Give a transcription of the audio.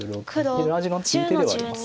味のいい手ではあります。